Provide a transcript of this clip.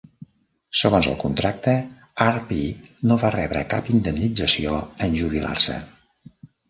Segons el contracte, Arpey no va rebre cap indemnització en jubilar-se.